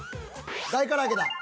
大からあげだ。